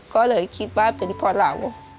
ก็เลยคิดว่าเป็นเพราะเรา